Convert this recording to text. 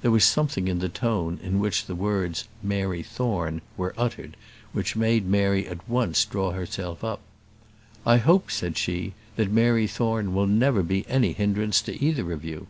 There was something in the tone in which the words, "Mary Thorne," were uttered, which made Mary at once draw herself up. "I hope," said she, "that Mary Thorne will never be any hindrance to either of you."